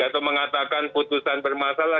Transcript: atau mengatakan putusan bermasalah